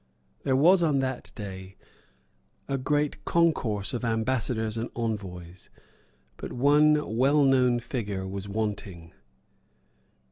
There was on that day a great concourse of ambassadors and envoys; but one well known figure was wanting.